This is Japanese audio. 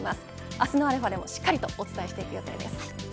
明日のαでもしっかりとお伝えしていきます。